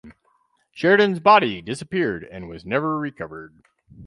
Sheridan's body disappeared and was never recovered.